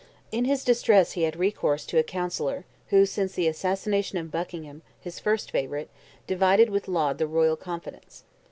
In his distress he had recourse to a councillor, who, since the assassination of Buckingham, his first favourite, divided with Laud the royal confidence.